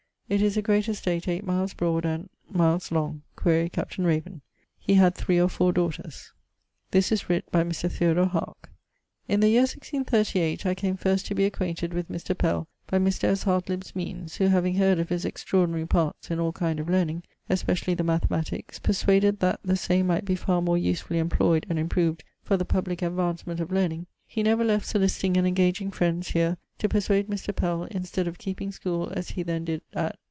It is a great estate 8 miles broad and ... miles long (quaere Capt. ... Raven). He had 3 or 4 daughters. This writt by Mr. Theodore Haake. In the year 1638 I came first to be acquainted with Mr. Pell by Mr. S. Hartlib's meanes, who having heard of his extraordinarie parts in all kinde of learning, especially the mathematics, perswaded that the same might be farre more usefully employed and improoved for the publick advancement of learning, he never left soliciting and engaging frends heer to perswade Mr. Pell instead of keeping scool, as he then did at